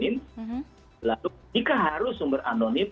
lalu jika harus sumber anonim